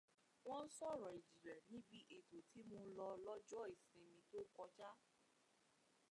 Wọ́n sọ̀rọ̀ ìjìnlẹ̀ níbi ètò tí mo lọ lọ́jọ́ ìsinmi tó kọjá